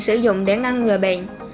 sử dụng để ngăn ngừa bệnh